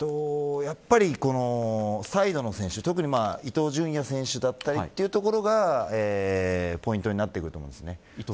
やっぱりサイドの選手特に伊東純也選手だったりだとかポイントになってくると思います。